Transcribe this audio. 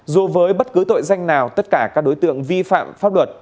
dù với bất cứ tội danh nào tất cả các đối tượng vi phạm pháp luật